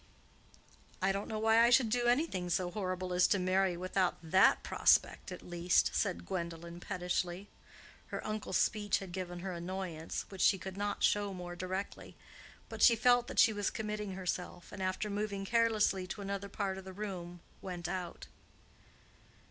"I don't know why I should do anything so horrible as to marry without that prospect, at least," said Gwendolen, pettishly. Her uncle's speech had given her annoyance, which she could not show more directly; but she felt that she was committing herself, and after moving carelessly to another part of the room, went out.